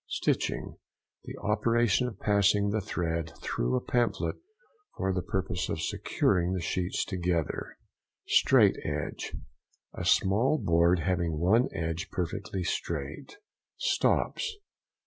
STITCHING.—The operation of passing the thread through a pamphlet for the purpose of securing the sheets together. STRAIGHT EDGE.—A small board having one edge perfectly straight. STOPS.